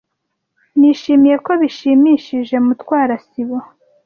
Nishimiye ko bishimishije Mutwara sibo.